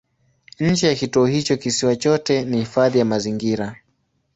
Nje ya kituo hicho kisiwa chote ni hifadhi ya mazingira.